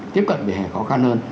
tiếp cận vỉa hè khó khăn hơn